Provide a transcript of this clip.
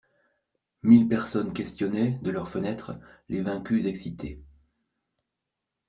Mille personnes questionnaient, de leurs fenêtres, les vaincus excités.